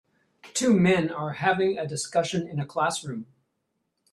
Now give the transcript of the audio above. Two men are having a discussion in a classroom.